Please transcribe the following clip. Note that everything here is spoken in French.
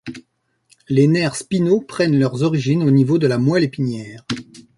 Les nerfs spinaux prennent leurs origines au niveau de la moelle épinière.